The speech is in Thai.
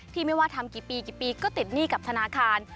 ไม่ว่าทำกี่ปีกี่ปีก็ติดหนี้กับธนาคาร